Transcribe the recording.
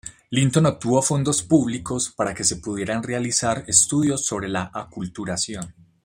Linton obtuvo fondos públicos para que se pudieran realizar estudios sobre la aculturación.